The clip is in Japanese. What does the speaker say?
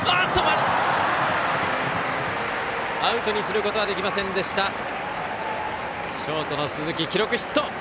アウトにすることはできませんでした。